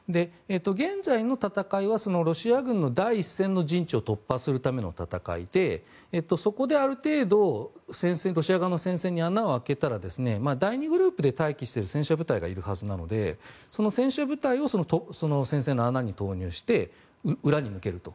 現在の戦いはロシア軍の第１線の陣地を突破するための戦いでそこである程度ロシア側の戦線に穴を開けたら第２グループで待機している戦車部隊がいるはずなのでその戦車部隊を戦線の穴に投入して裏に抜けると。